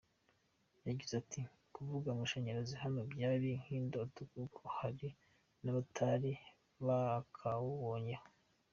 Yagize ati “Kuvuga amashanyarazi hano byari nk’indoto kuko hari n’abatari bakawubonyeho.